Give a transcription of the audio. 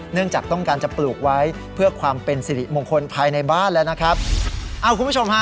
จากต้องการจะปลูกไว้เพื่อความเป็นสิริมงคลภายในบ้านแล้วนะครับเอาคุณผู้ชมฮะ